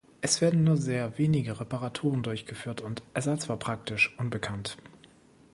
Es wurden nur sehr wenige Reparaturen durchgeführt und Ersatz war praktisch unbekannt.